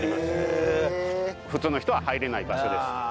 普通の人は入れない場所です。